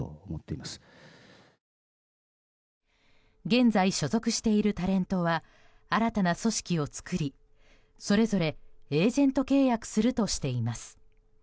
現在所属しているタレントは新たな組織を作りそれぞれエージェント契約するとしています。